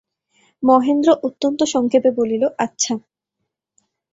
মহেন্দ্র অত্যন্ত সংক্ষেপে বলিল, আচ্ছা।